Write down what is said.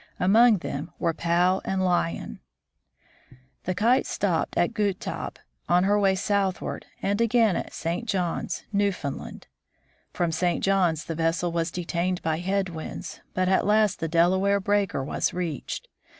Among them were Pau and Lion. The Kite stopped at Godthaab on her way southward, and again at St. John's, Newfoundland. From St. John's the vessel was detained by head winds, but at last the Delaware breakwater was reached.